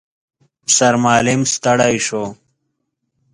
سرمعلم ستړی شو.